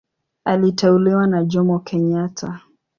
Aliteuliwa na Jomo Kenyatta.